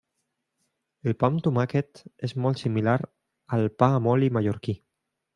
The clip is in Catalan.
El pa amb tomàquet és molt similar al pa amb oli mallorquí.